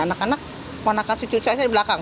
anak anak mau nakasin cucahnya di belakang